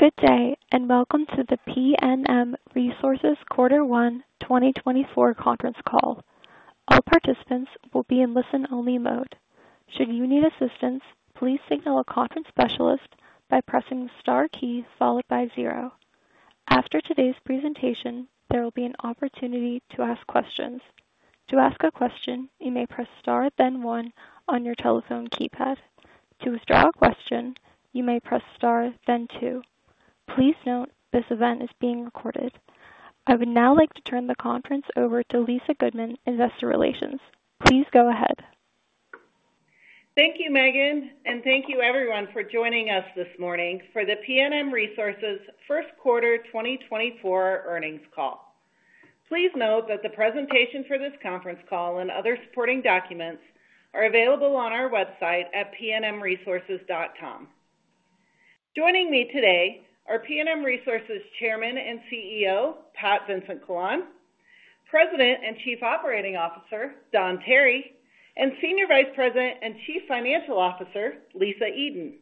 Good day, and welcome to the PNM Resources quarter one 2024 conference call. All participants will be in listen-only mode. Should you need assistance, please signal a conference specialist by pressing the star key followed by zero. After today's presentation, there will be an opportunity to ask questions. To ask a question, you may press star then one on your telephone keypad. To withdraw a question, you may press star then two. Please note, this event is being recorded. I would now like to turn the conference over to Lisa Goodman, Investor Relations. Please go ahead. Thank you, Megan, and thank you everyone for joining us this morning for the PNM Resources first quarter 2024 earnings call. Please note that the presentation for this conference call and other supporting documents are available on our website at pnmresources.com. Joining me today are PNM Resources Chairman and CEO, Pat Vincent-Collawn, President and Chief Operating Officer, Don Tarry, and Senior Vice President and Chief Financial Officer, Lisa Eden.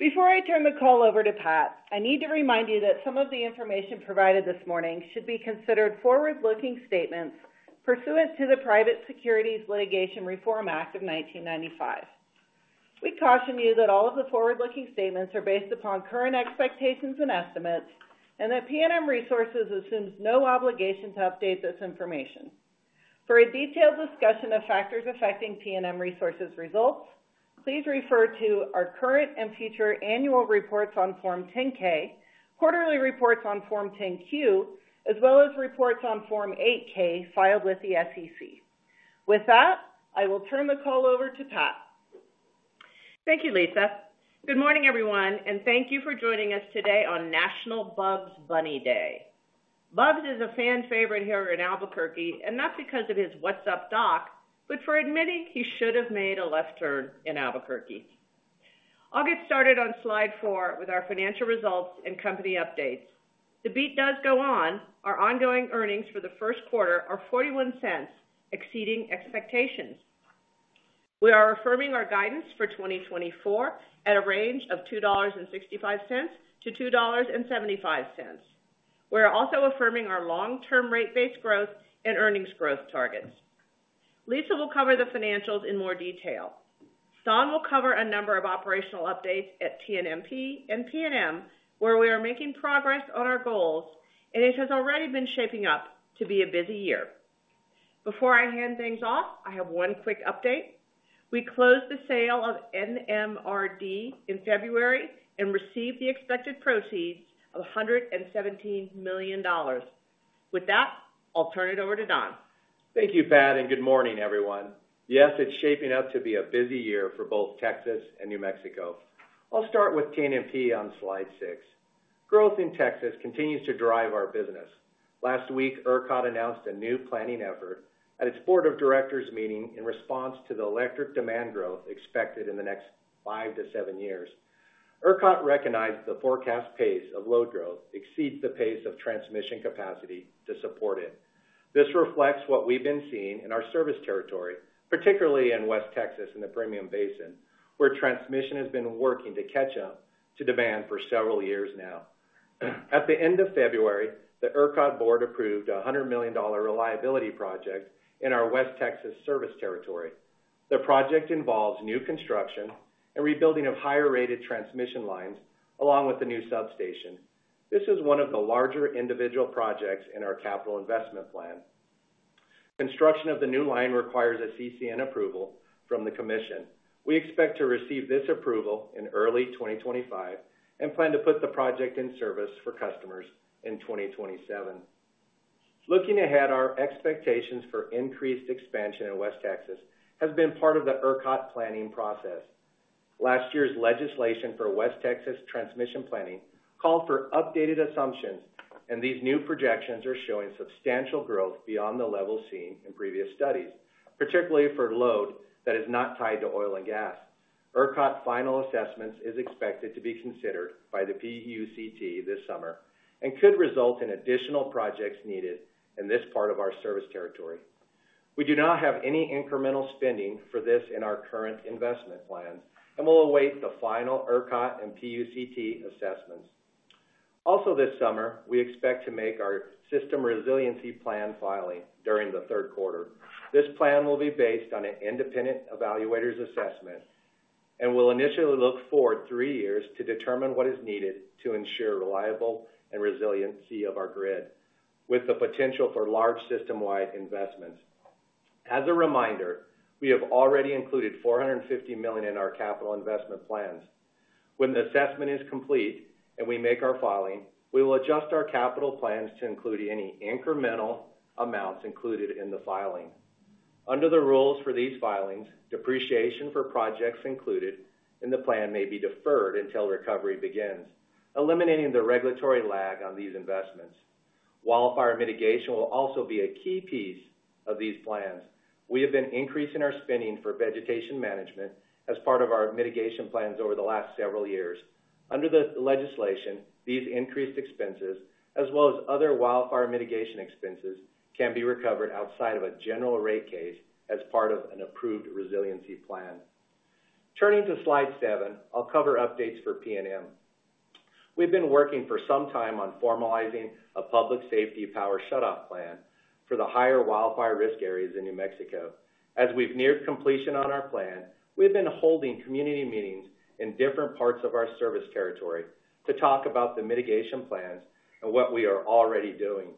Before I turn the call over to Pat, I need to remind you that some of the information provided this morning should be considered forward-looking statements pursuant to the Private Securities Litigation Reform Act of 1995. We caution you that all of the forward-looking statements are based upon current expectations and estimates and that PNM Resources assumes no obligation to update this information. For a detailed discussion of factors affecting PNM Resources results, please refer to our current and future annual reports on Form 10-K, quarterly reports on Form 10-Q, as well as reports on Form 8-K filed with the SEC. With that, I will turn the call over to Pat. Thank you, Lisa. Good morning, everyone, and thank you for joining us today on National Bugs Bunny Day. Bugs is a fan favorite here in Albuquerque, and not because of his "What's up, doc?", but for admitting he should have made a left turn in Albuquerque. I'll get started on slide four with our financial results and company updates. The beat does go on. Our ongoing earnings for the first quarter are $0.41, exceeding expectations. We are affirming our guidance for 2024 at a range of $2.65-$2.75. We are also affirming our long-term rate base growth and earnings growth targets. Lisa will cover the financials in more detail. Don will cover a number of operational updates at TNMP and PNM, where we are making progress on our goals, and it has already been shaping up to be a busy year. Before I hand things off, I have one quick update. We closed the sale of NMRD in February and received the expected proceeds of $117 million. With that, I'll turn it over to Don. Thank you, Pat, and good morning, everyone. Yes, it's shaping up to be a busy year for both Texas and New Mexico. I'll start with TNMP on slide six. Growth in Texas continues to drive our business. Last week, ERCOT announced a new planning effort at its board of directors meeting in response to the electric demand growth expected in the next five to seven years. ERCOT recognized the forecast pace of load growth exceeds the pace of transmission capacity to support it. This reflects what we've been seeing in our service territory, particularly in West Texas, in the Permian Basin, where transmission has been working to catch up to demand for several years now. At the end of February, the ERCOT board approved a $100 million reliability project in our West Texas service territory. The project involves new construction and rebuilding of higher-rated transmission lines, along with the new substation. This is one of the larger individual projects in our capital investment plan. Construction of the new line requires a CCN approval from the commission. We expect to receive this approval in early 2025 and plan to put the project in service for customers in 2027. Looking ahead, our expectations for increased expansion in West Texas has been part of the ERCOT planning process. Last year's legislation for West Texas transmission planning called for updated assumptions, and these new projections are showing substantial growth beyond the levels seen in previous studies, particularly for load that is not tied to oil and gas. ERCOT final assessments is expected to be considered by the PUCT this summer and could result in additional projects needed in this part of our service territory. We do not have any incremental spending for this in our current investment plan, and we'll await the final ERCOT and PUCT assessments. Also this summer, we expect to make our system resiliency plan filing during the third quarter. This plan will be based on an independent evaluator's assessment and will initially look forward three years to determine what is needed to ensure reliable and resiliency of our grid, with the potential for large system-wide investments. As a reminder, we have already included $450 million in our capital investment plans. When the assessment is complete and we make our filing, we will adjust our capital plans to include any incremental amounts included in the filing. Under the rules for these filings, depreciation for projects included in the plan may be deferred until recovery begins, eliminating the regulatory lag on these investments. Wildfire mitigation will also be a key piece of these plans. We have been increasing our spending for vegetation management as part of our mitigation plans over the last several years. Under the legislation, these increased expenses, as well as other wildfire mitigation expenses, can be recovered outside of a general rate case as part of an approved resiliency plan. Turning to slide seven, I'll cover updates for PNM. We've been working for some time on formalizing a public safety power shutoff plan for the higher wildfire risk areas in New Mexico. As we've neared completion on our plan, we've been holding community meetings in different parts of our service territory to talk about the mitigation plans and what we are already doing.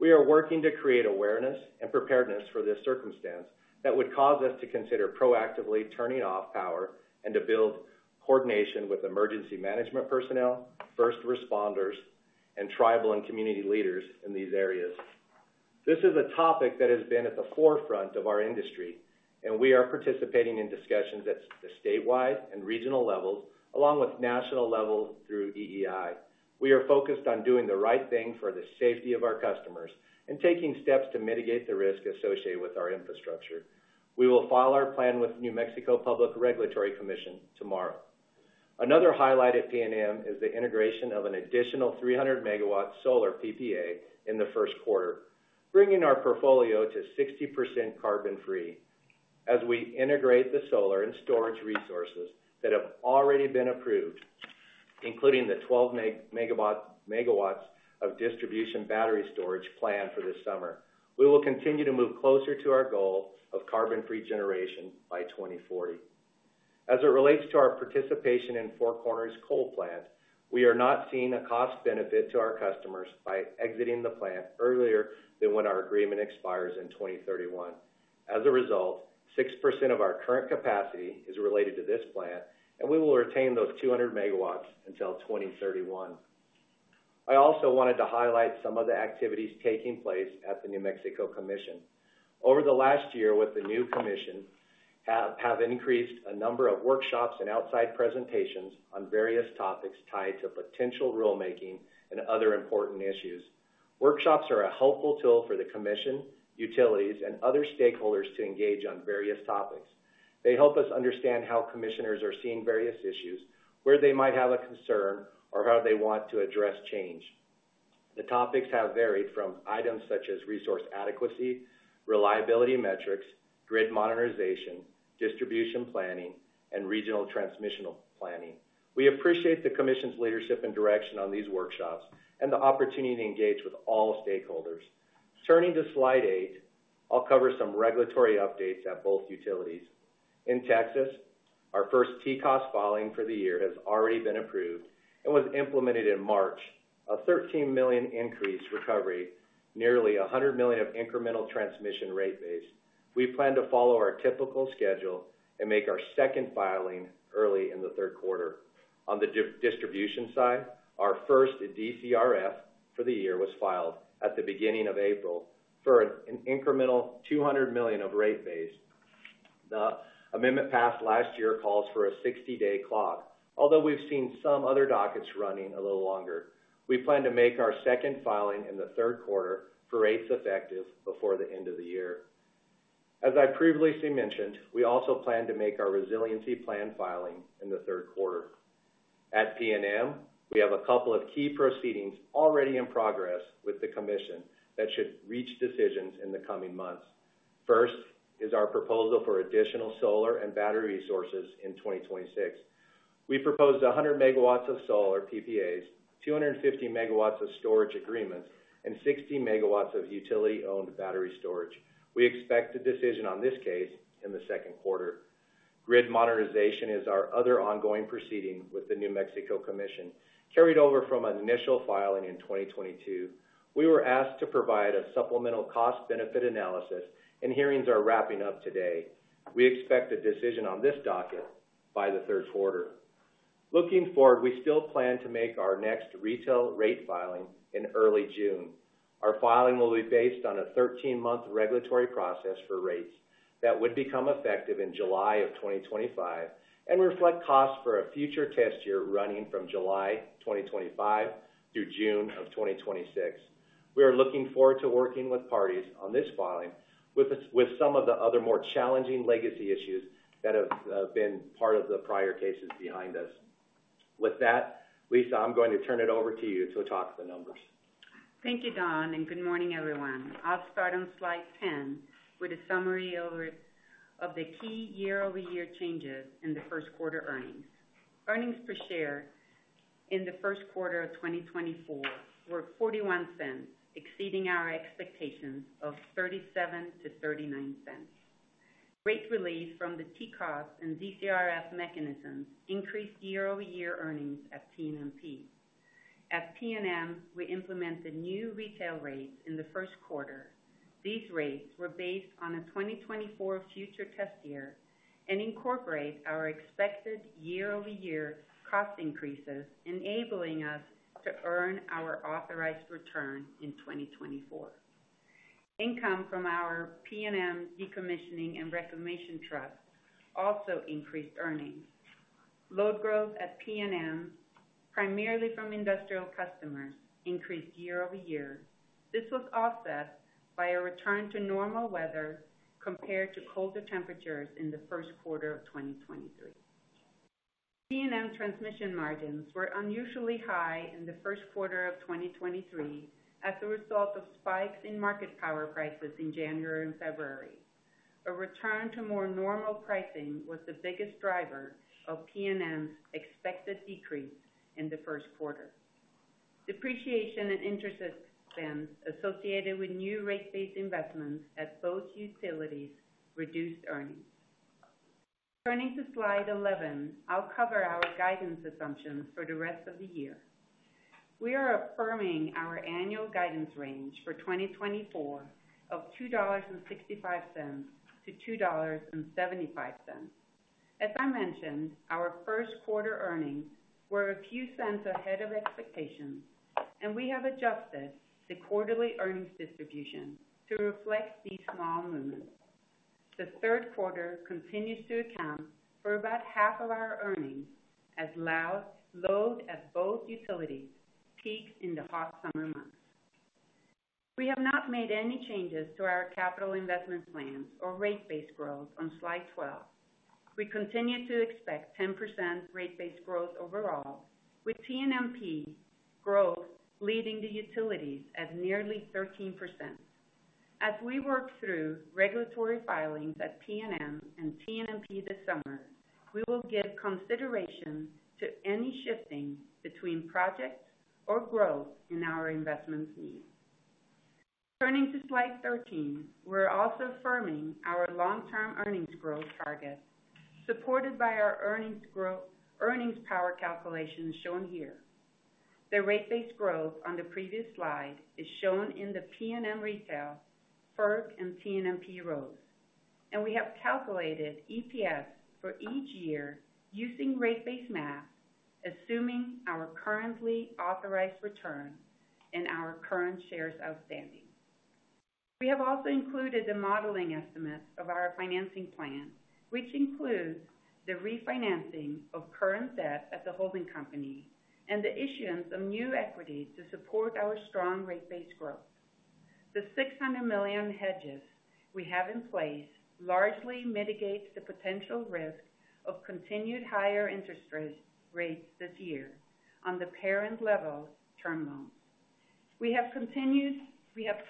We are working to create awareness and preparedness for this circumstance that would cause us to consider proactively turning off power and to build coordination with emergency management personnel, first responders, and tribal and community leaders in these areas. This is a topic that has been at the forefront of our industry, and we are participating in discussions at the statewide and regional levels, along with national levels through EEI. We are focused on doing the right thing for the safety of our customers and taking steps to mitigate the risk associated with our infrastructure. We will file our plan with New Mexico Public Regulatory Commission tomorrow. Another highlight at PNM is the integration of an additional 300 MW solar PPA in the first quarter, bringing our portfolio to 60% carbon-free. As we integrate the solar and storage resources that have already been approved, including the 12 MW of distribution battery storage planned for this summer, we will continue to move closer to our goal of carbon-free generation by 2040. As it relates to our participation in Four Corners Power Plant, we are not seeing a cost benefit to our customers by exiting the plant earlier than when our agreement expires in 2031. As a result, 6% of our current capacity is related to this plant, and we will retain those 200 MW until 2031. I also wanted to highlight some of the activities taking place at the New Mexico Commission. Over the last year with the new commission, have increased a number of workshops and outside presentations on various topics tied to potential rulemaking and other important issues. Workshops are a helpful tool for the commission, utilities, and other stakeholders to engage on various topics. They help us understand how commissioners are seeing various issues, where they might have a concern, or how they want to address change. The topics have varied from items such as resource adequacy, reliability metrics, grid modernization, distribution planning, and regional transmission planning. We appreciate the Commission's leadership and direction on these workshops and the opportunity to engage with all stakeholders. Turning to slide eight, I'll cover some regulatory updates at both utilities. In Texas, our first TCOS filing for the year has already been approved and was implemented in March. A $13 million increase recovery, nearly $100 million of incremental transmission rate base. We plan to follow our typical schedule and make our second filing early in the third quarter. On the distribution side, our first DCRF for the year was filed at the beginning of April for an incremental $200 million of rate base. The amendment passed last year calls for a 60-day clock, although we've seen some other dockets running a little longer. We plan to make our second filing in the third quarter for rates effective before the end of the year. As I previously mentioned, we also plan to make our resiliency plan filing in the third quarter. At PNM, we have a couple of key proceedings already in progress with the commission that should reach decisions in the coming months. First, is our proposal for additional solar and battery resources in 2026. We proposed 100 MW of solar PPAs, 250 MW of storage agreements, and 60 MW of utility-owned battery storage. We expect a decision on this case in the second quarter. Grid Modernization is our other ongoing proceeding with the New Mexico Commission, carried over from an initial filing in 2022. We were asked to provide a supplemental cost-benefit analysis, and hearings are wrapping up today. We expect a decision on this docket by the third quarter. Looking forward, we still plan to make our next retail rate filing in early June. Our filing will be based on a 13-month regulatory process for rates that would become effective in July 2025 and reflect costs for a future test year running from July 2025 through June 2026. We are looking forward to working with parties on this filing, with some of the other more challenging legacy issues that have been part of the prior cases behind us. With that, Lisa, I'm going to turn it over to you to talk the numbers. Thank you, Don, and good morning, everyone. I'll start on slide 10 with a summary of the key year-over-year changes in the first quarter earnings. Earnings per share in the first quarter of 2024 were $0.41, exceeding our expectations of $0.37-$0.39. Rate relief from the TCOS and DCRF mechanisms increased year-over-year earnings at TNMP. At PNM, we implemented new retail rates in the first quarter. These rates were based on a 2024 future test year and incorporate our expected year-over-year cost increases, enabling us to earn our authorized return in 2024. Income from our PNM decommissioning and reclamation trust also increased earnings. Load growth at PNM, primarily from industrial customers, increased year-over-year. This was offset by a return to normal weather compared to colder temperatures in the first quarter of 2023. PNM transmission margins were unusually high in the first quarter of 2023 as a result of spikes in market power prices in January and February. A return to more normal pricing was the biggest driver of PNM's expected decrease in the first quarter. Depreciation and interest expense associated with new rate base investments at both utilities reduced earnings. Turning to slide 11, I'll cover our guidance assumptions for the rest of the year. We are affirming our annual guidance range for 2024 of $2.65-$2.75. As I mentioned, our first quarter earnings were a few cents ahead of expectations, and we have adjusted the quarterly earnings distribution to reflect these small movements. The third quarter continues to account for about half of our earnings as load at both utilities peak in the hot summer months. We have not made any changes to our capital investment plans or rate base growth on slide 12. We continue to expect 10% rate base growth overall, with TNMP growth leading the utilities at nearly 13%. As we work through regulatory filings at PNM and TNMP this summer, we will give consideration to any shifting between projects or growth in our investment needs. Turning to slide 13, we're also affirming our long-term earnings growth target, supported by our earnings growth, earnings power calculation shown here. The rate base growth on the previous slide is shown in the PNM Retail, FERC, and TNMP rows, and we have calculated EPS for each year using rate base math, assuming our currently authorized return and our current shares outstanding. We have also included the modeling estimates of our financing plan, which includes the refinancing of current debt at the holding company and the issuance of new equity to support our strong rate base growth. The $600 million hedges we have in place largely mitigate the potential risk of continued higher interest rates, rates this year on the parent-level term loan. We have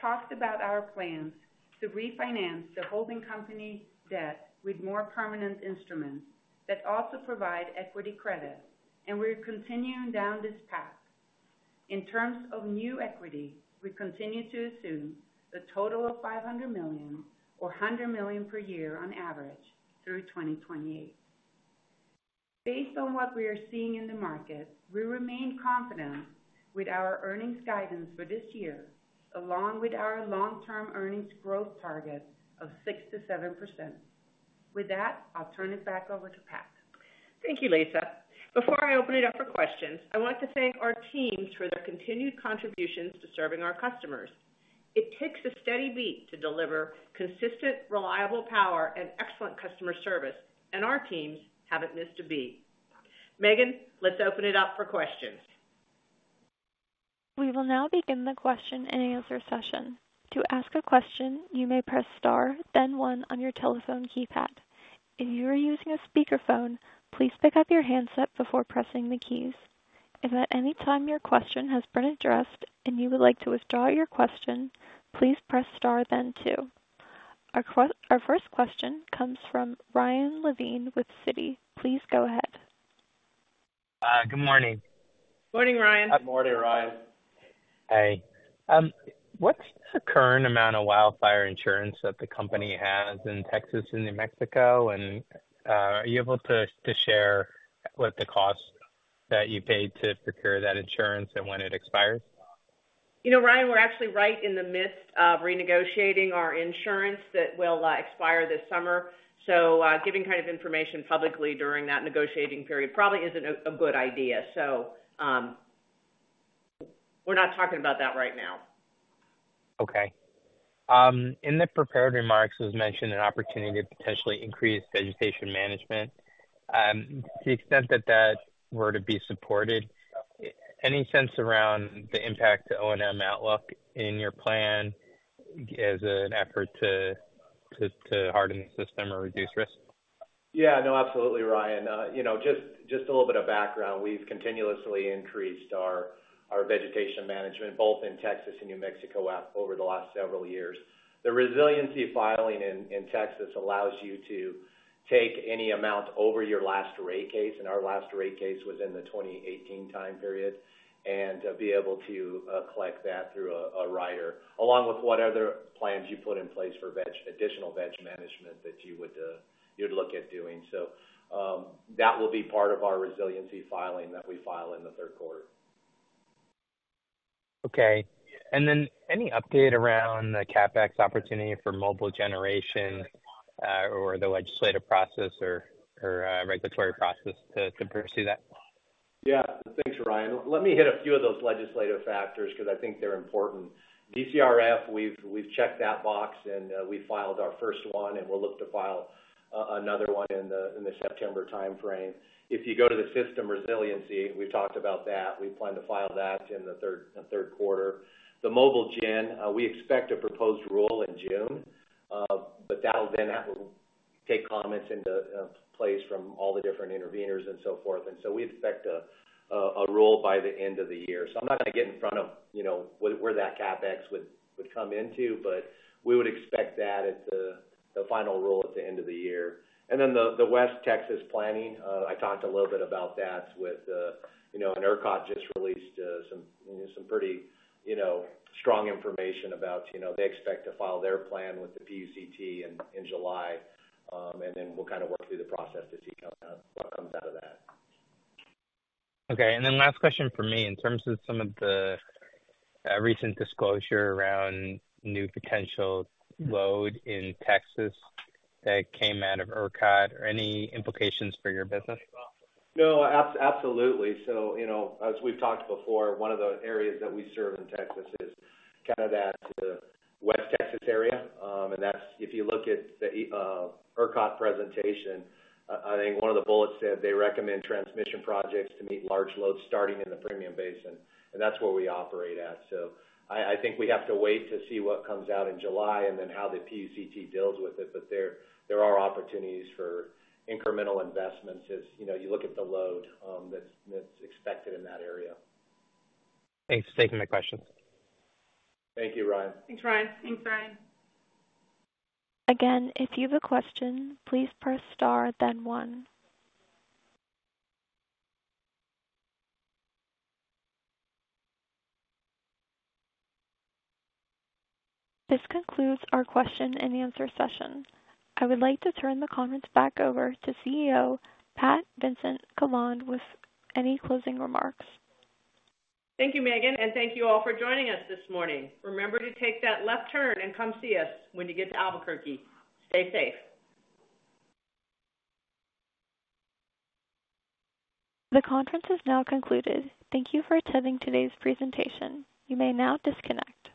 talked about our plans to refinance the holding company debt with more permanent instruments that also provide equity credit, and we're continuing down this path. In terms of new equity, we continue to assume a total of $500 million or $100 million per year on average through 2028. Based on what we are seeing in the market, we remain confident with our earnings guidance for this year, along with our long-term earnings growth target of 6%-7%.With that, I'll turn it back over to Pat. Thank you, Lisa. Before I open it up for questions, I want to thank our teams for their continued contributions to serving our customers. It takes a steady beat to deliver consistent, reliable power and excellent customer service, and our teams haven't missed a beat. Megan, let's open it up for questions. We will now begin the question-and-answer session. To ask a question, you may press star, then one on your telephone keypad. If you are using a speakerphone, please pick up your handset before pressing the keys. If at any time your question has been addressed and you would like to withdraw your question, please press star, then two. Our first question comes from Ryan Levine with Citi. Please go ahead. Good morning. Morning, Ryan. Good morning, Ryan. Hey, what's the current amount of wildfire insurance that the company has in Texas and New Mexico? And, are you able to share what the cost that you paid to procure that insurance and when it expires? You know, Ryan, we're actually right in the midst of renegotiating our insurance that will expire this summer. So, giving kind of information publicly during that negotiating period probably isn't a good idea. So, we're not talking about that right now. Okay. In the prepared remarks, it was mentioned an opportunity to potentially increase vegetation management. To the extent that that were to be supported, any sense around the impact to O&M outlook in your plan as an effort to harden the system or reduce risk? Yeah. No, absolutely, Ryan. You know, just a little bit of background. We've continuously increased our vegetation management, both in Texas and New Mexico over the last several years. The resiliency filing in Texas allows you to take any amount over your last rate case, and our last rate case was in the 2018 time period, and be able to collect that through a rider, along with what other plans you put in place for additional veg management that you would, you'd look at doing. So, that will be part of our resiliency filing that we file in the third quarter. Okay. And then any update around the CapEx opportunity for mobile generation, or the legislative process or regulatory process to pursue that? Yeah. Thanks, Ryan. Let me hit a few of those legislative factors because I think they're important. DCRF, we've checked that box, and we filed our first one, and we'll look to file another one in the September timeframe. If you go to the system resiliency, we've talked about that. We plan to file that in the third quarter. The mobile gen, we expect a proposed rule in June, but that'll then have to take comments into place from all the different interveners and so forth. And so we expect a rule by the end of the year. So I'm not going to get in front of, you know, where that CapEx would come into, but we would expect that at the final rule at the end of the year. And then the West Texas planning, I talked a little bit about that with, you know, and ERCOT just released some, you know, some pretty, you know, strong information about, you know, they expect to file their plan with the PUCT in July. And then we'll kind of work through the process to see kind of what comes out of that. Okay, and then last question from me. In terms of some of the recent disclosure around new potential load in Texas that came out of ERCOT, are any implications for your business? No, absolutely. So, you know, as we've talked before, one of the areas that we serve in Texas is kind of that West Texas area. And that's if you look at the ERCOT presentation, I think one of the bullets said they recommend transmission projects to meet large loads starting in the Permian Basin, and that's where we operate at. So I think we have to wait to see what comes out in July and then how the PUCT deals with it. But there are opportunities for incremental investments as, you know, you look at the load that's expected in that area. Thanks for taking my questions. Thank you, Ryan. Thanks, Ryan. Thanks, Ryan. Again, if you have a question, please press star then one. This concludes our question-and-answer session. I would like to turn the conference back over to CEO, Pat Vincent-Collawn, with any closing remarks. Thank you, Megan, and thank you all for joining us this morning. Remember to take that left turn and come see us when you get to Albuquerque. Stay safe. The conference is now concluded. Thank you for attending today's presentation. You may now disconnect.